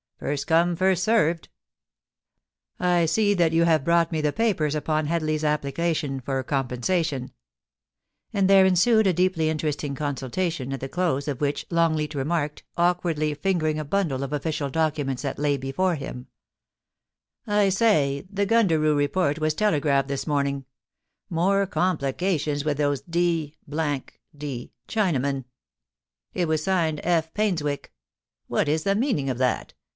First come first served ... I see that you have brought me the papers upon Hedley's application for com pensation ;' and there ensued a deeply interftling consulta tion, at the close of which Longleat remarked, awkwardly fingering a bundle of official documents that lay before him :* I say, the Gundaroo Report was telegraphed this morn ing — more complications with those d d Chinamen : it was signed " F. Painswick." What is the meaning of that